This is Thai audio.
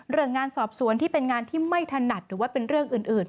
งานสอบสวนที่เป็นงานที่ไม่ถนัดหรือว่าเป็นเรื่องอื่น